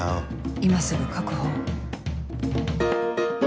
今すぐ確保を